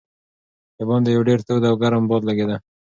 د باندې یو ډېر تود او ګرم باد لګېده.